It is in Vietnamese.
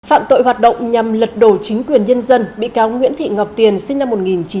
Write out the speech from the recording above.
phạm tội hoạt động nhằm lật đổ chính quyền nhân dân bị cáo nguyễn thị ngọc tiền sinh năm một nghìn chín trăm tám mươi